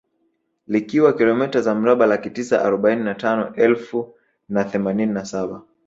Likiwa kilomita za mraba Laki tisa arobaini na tano elfu na themanini na saba